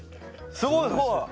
すごいすごい！